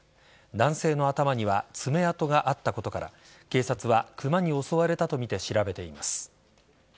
男性の頭には爪痕があったことから警察はクマに襲われたとみて調べています。